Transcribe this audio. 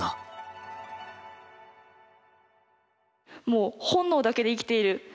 もう本能だけで生きている。